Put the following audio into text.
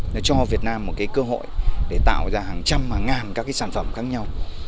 nó cho việt nam một cơ hội để tạo ra hàng trăm hàng ngàn các sản phẩm khác nhau